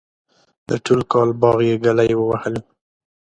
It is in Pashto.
د ټول کال باغ یې گلی ووهلو.